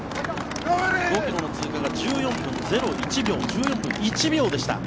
５ｋｍの通過が１４分０１秒でした。